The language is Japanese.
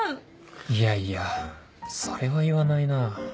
いやいやそれは言わないな